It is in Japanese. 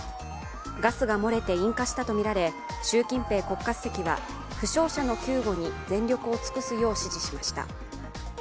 ガスが漏れて引火したとみられ習近平国家主席は負傷者の救護に全力を尽くすよう指示しました。